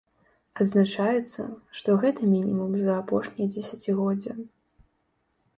Адзначаецца, што гэта мінімум за апошняе дзесяцігоддзе.